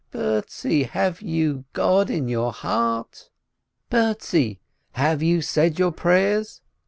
— Bertzi, have you God in your heart ? Bertzi, have you said your prayers